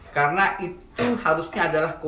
karena itu harusnya adalah kondisi